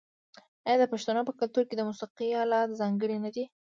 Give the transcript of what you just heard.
آیا د پښتنو په کلتور کې د موسیقۍ الات ځانګړي نه دي؟